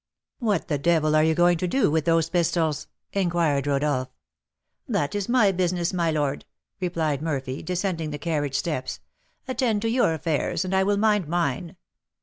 "What the devil are you going to do with those pistols?" inquired Rodolph. "That is my business, my lord," replied Murphy, descending the carriage steps; "attend to your affairs, and I will mind mine."